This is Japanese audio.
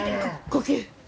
呼吸。